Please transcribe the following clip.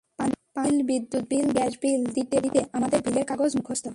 পানি বিল, বিদ্যুৎ bill, gas bill দিতে দিতে আমাদের বিলের কাগজ মুখস্থ।